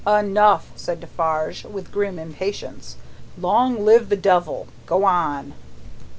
"Enough!" said Defarge, with grim impatience. "Long live the Devil! Go on."